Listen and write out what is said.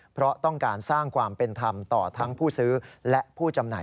เพราะต้องการสร้างความเป็นธรรมต่อทั้งผู้ซื้อและผู้จำหน่าย